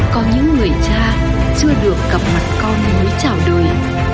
có những người cha chưa được gặp mặt con mới trào đời